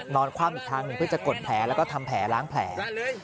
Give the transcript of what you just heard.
คว่ำอีกทางหนึ่งเพื่อจะกดแผลแล้วก็ทำแผลล้างแผล